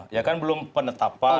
ya kan belum penetapan